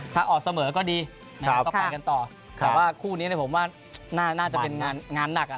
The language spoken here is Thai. ถ้าออกเสมอก็ดีนะครับก็ไปกันต่อแต่ว่าคู่นี้เนี่ยผมว่าน่าจะเป็นงานหนักอ่ะ